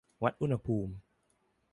วัดอุณหภูมิ